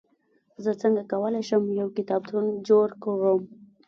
زه څنګه کولای سم، یو کتابتون جوړ کړم؟